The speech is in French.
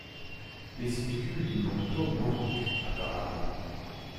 Les spicules du manteau manquent apparemment.